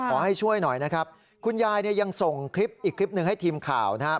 ขอให้ช่วยหน่อยนะครับคุณยายเนี่ยยังส่งคลิปอีกคลิปหนึ่งให้ทีมข่าวนะครับ